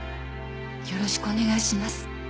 よろしくお願いします。